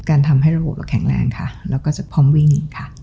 ทำให้ระบบเราแข็งแรงค่ะเราก็จะพร้อมวิ่งค่ะ